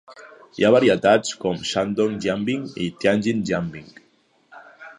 Hi ha varietats com Shandong Jianbing i Tianjin Jianbing.